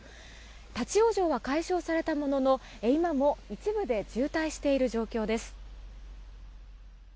立ち往生は解消されたものの今も一部で渋滞している状況です。